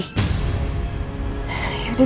aku kepengen anak ini mati